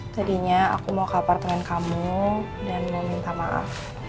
tadinya aku mau ke apartemen kamu dan mau minta maaf